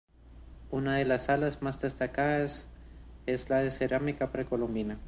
Una de las salas más destacadas es la de cerámica precolombina.